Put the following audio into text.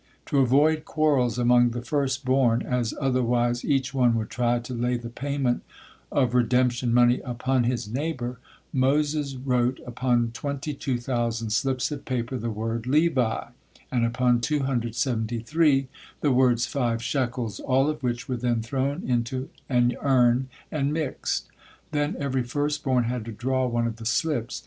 To avoid quarrels among the first born, as otherwise each one would try to lay the payment of redemption money upon his neighbor, Moses wrote upon twenty two thousand slips of paper the word "Levi," and upon two hundred seventy three the words "five shekels," all of which were then thrown into an urn and mixed. Then every first born had to draw one of the slips.